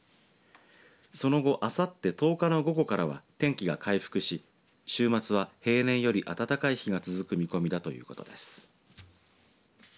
その後あさって１０日の午後からは天気が回復し週末は平年より暖かい日が続く見込みだということです。